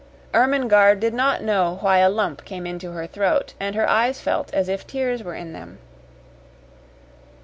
Ermengarde did not know why a lump came into her throat and her eyes felt as if tears were in them.